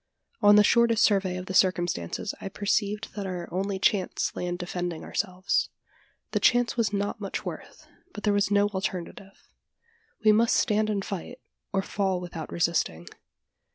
On the shortest survey of the circumstances I perceived that our only chance lay in defending ourselves. The chance was not much worth; but there was no alternative. We must stand and tight, or fall without resisting.